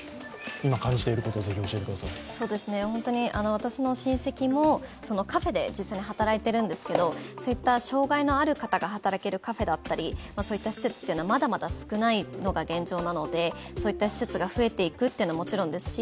私の親戚もカフェで実際に働いているんですけれども、障がいのある方が働けるカフェだったりまだまだ少ないのが現状なのでそういった施設が増えていくことはもちろんですし